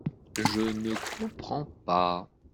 Je ne comprends pas !…